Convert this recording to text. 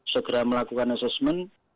segera melakukan assessment